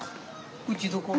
うちどこ？